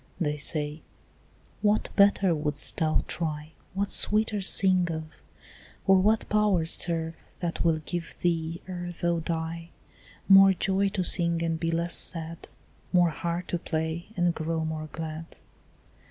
They say, "what better wouldst thou try, What sweeter sing of? or what powers Serve, that will give thee ere thou die More joy to sing and be less sad, More heart to play and grow more glad?"